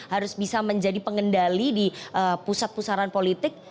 harus bisa menjadi pengendali di pusat pusaran politik